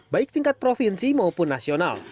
baik tingkat provinsi maupun nasional